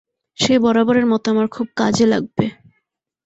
সে বরাবরের মত আমার খুব কাজে লাগবে।